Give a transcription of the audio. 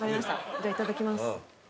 じゃあいただきます。